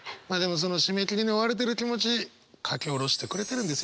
その締め切りに追われてる気持ち書き下ろしてくれてるんですよね？